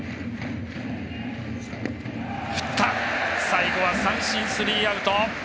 最後は三振、スリーアウト。